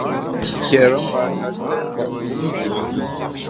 Ke’re mbâ ka sente mbum nkünzùm.